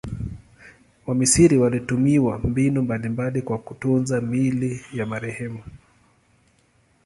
Wamisri walitumia mbinu mbalimbali kwa kutunza miili ya marehemu.